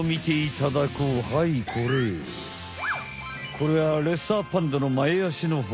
これはレッサーパンダの前あしの骨。